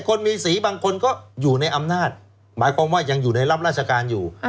คนมีสีบางคนก็อยู่ในอำนาจหมายความว่ายังอยู่ในรับราชการอยู่